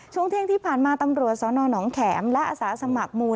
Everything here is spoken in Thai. ช่วงเที่ยงที่ผ่านมาตำรวจสนหนองแขมและอาสาสมัครมูล